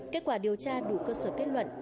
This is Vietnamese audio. kết quả điều tra đủ cơ sở kết luận